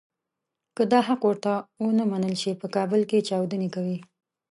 که دا حق ورته ونه منل شي په کابل کې چاودنې کوي.